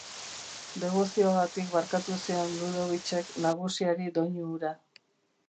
Debozioagatik barkatu zion Ludovicek nagusiari doinu hura.